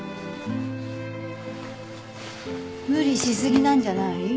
無理し過ぎなんじゃない？